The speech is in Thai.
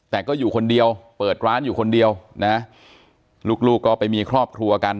แต่ก็อยู่คนเดียวเปิดร้านอยู่คนเดียวนะลูกลูกก็ไปมีครอบครัวกัน